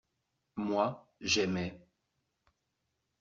Moi, j’aimais.